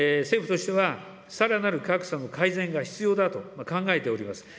政府としては、さらなる格差の改善が必要だと考えております。